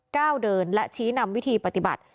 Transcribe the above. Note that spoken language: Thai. ก้าวเดินและชี้นำวิธีปฏิบัติ